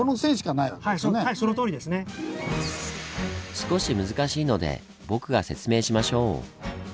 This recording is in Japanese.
少し難しいので僕が説明しましょう。